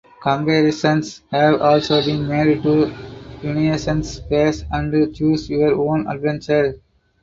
Comparisons have also been made to renaissance fairs and "Choose Your Own Adventure".